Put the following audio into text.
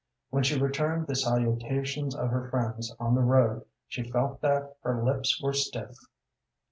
When she returned the salutations of her friends on the road she felt that her lips were stiff.